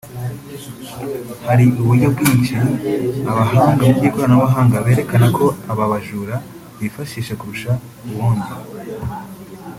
Hari uburyo bwinshi abahanga mu by’ikoranabuhanga berekana ko aba bajura bifashisha kurusha ubundi